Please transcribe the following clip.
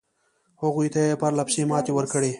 هغوی ته یې پرله پسې ماتې ورکړې.